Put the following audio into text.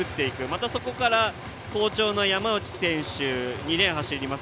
またそこから好調の山内選手２レーンを走ります